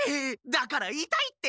だからいたいって！